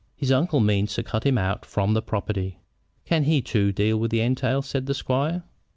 His uncle means to cut him out from the property." "Can he too deal with entails?" said the squire.